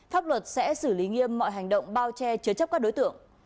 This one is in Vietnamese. pháp luật sẽ xử lý nghiêm mọi hành động bao che chứa chấp các đối tượng